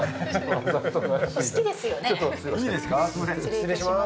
失礼します。